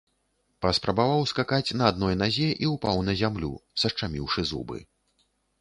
Паспрабаваў скакаць на адной назе і ўпаў на зямлю, сашчаміўшы зубы.